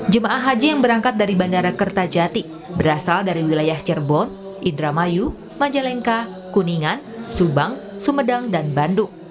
jemaah haji yang berangkat dari bandara kertajati berasal dari wilayah cirebon indramayu majalengka kuningan subang sumedang dan bandung